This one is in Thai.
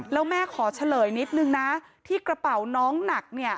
แล้วแม่ขอเฉลยนิดนึงนะที่กระเป๋าน้องหนักเนี่ย